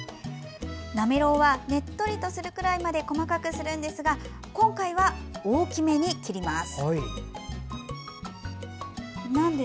なめろうはねっとりとするくらいまで細かくするんですが今回は大きめに切ります。